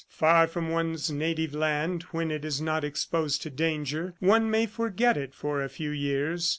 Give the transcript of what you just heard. Far from one's native land when it is not exposed to danger, one may forget it for a few years.